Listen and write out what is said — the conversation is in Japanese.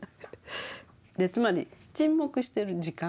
つまり沈黙してる時間。